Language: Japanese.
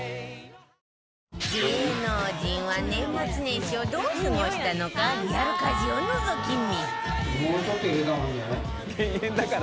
芸能人は年末年始をどう過ごしたのかリアル家事をのぞき見！